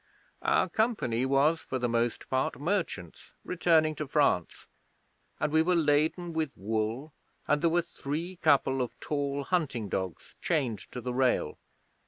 Our company was, for the most part, merchants returning to France, and we were laden with wool and there were three couple of tall hunting dogs chained to the rail.